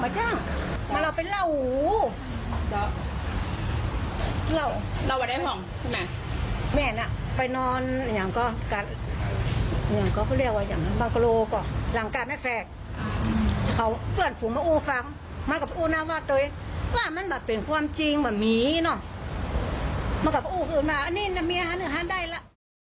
มากับอูอันนี้แม่งานึฮานได้ล่ะ